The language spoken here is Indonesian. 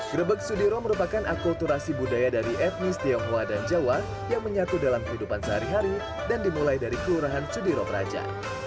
grebek sudiro merupakan akulturasi budaya dari etnis tionghoa dan jawa yang menyatu dalam kehidupan sehari hari dan dimulai dari kelurahan sudiro praja